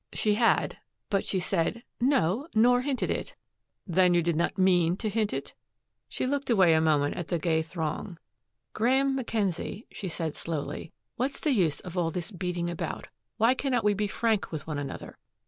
She had. But she said, "No, nor hinted it." "Then you did not MEAN to hint it?" She looked away a moment at the gay throng. "Graeme Mackenzie," she said, slowly, "what's the use of all this beating about? Why cannot we be frank with one another?"